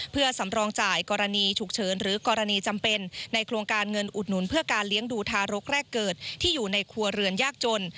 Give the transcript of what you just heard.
เพื่อสำรองจ่ายกรณีฉุกเฉินหรือกรณีจำเป็นในโครงการเงินอุดหนุนเพื่อการเลี้ยงดูทารกแรกเกิดที่อยู่ในครัวเรือนยากจน